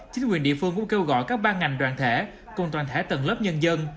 chính quyền địa phương cũng kêu gọi các ban ngành đoàn thể cùng toàn thể tầng lớp nhân dân